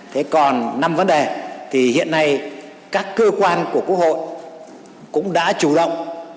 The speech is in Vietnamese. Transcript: thế còn năm vấn đề thì hiện nay các cơ quan của quốc hội cũng đã chủ động